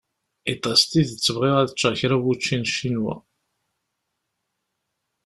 Iḍ-a s tidet bɣiɣ ad ččeɣ kra n wučči n Ccinwa.